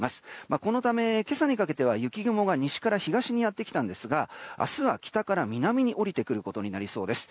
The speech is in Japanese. このため、今朝にかけては雪雲が西から東にやってきたんですが明日は北から南に降りてくることになりそうです。